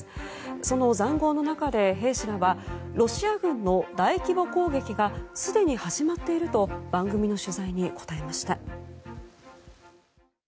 その塹壕の中で兵士らはロシア軍の大規模攻撃がすでに始まっていると番組の取材に答えました。